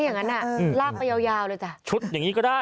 เย็บปลาย